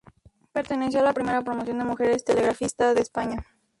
Perteneció a la primera promoción de mujeres telegrafista de España.